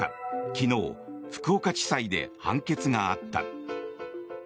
昨日、福岡地裁で判決があった。